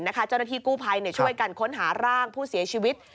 เจ้าหน้าที่กู้ภัยช่วยกันค้นหาร่างผู้เสียชีวิต